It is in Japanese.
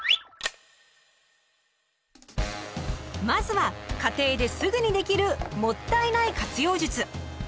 まずは家庭ですぐにできる「もったいない活用術」。